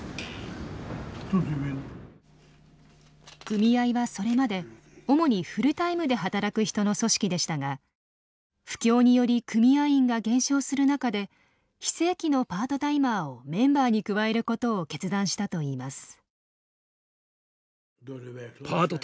組合はそれまで主にフルタイムで働く人の組織でしたが不況により組合員が減少する中で非正規のパートタイマーをメンバーに加えることを決断したといいます。